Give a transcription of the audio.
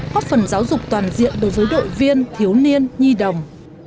góp phần giáo dục toàn diện đối với đội viên thiếu niên nhi đồng